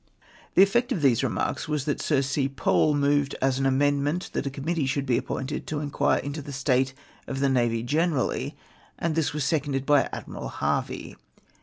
The effect of these remarks was, that Sir C. Pole moved as an amendment that a Committee should be appointed to inquire uito the state of the navy gene rally, and this was seconded l3y Admiral Harvey.